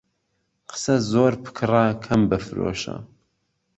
قسە زۆر بکڕە، کەم بفرۆشە.